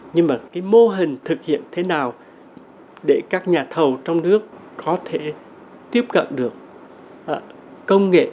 nhưng mà cái mô hình thực hiện thế nào để các nhà thầu trong nước có thể tiếp cận được công nghệ